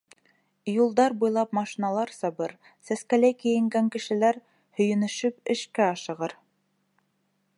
Юлдар буйлап машиналар сабыр, сәскәләй кейенгән кешеләр, һөйөнөшөп, эшкә ашығыр.